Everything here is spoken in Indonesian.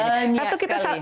kepentingan banyak sekali